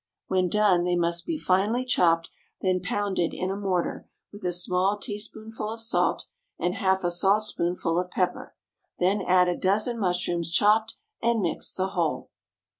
When done they must be finely chopped, then pounded in a mortar, with a small teaspoonful of salt, and half a saltspoonful of pepper. Then add a dozen mushrooms chopped, and mix the whole.